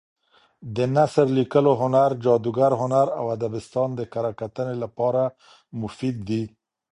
د نثر لیکلو هنر، جادګر هنر او ادبستان د کره کتنې لپاره مفید دي.